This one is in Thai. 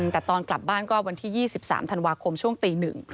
แต่ตอนกลับบ้านก็วันที่๒๓ธันวาคมช่วงตีหนึ่ง